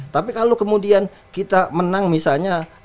tapi kalau kemudian kita menang misalnya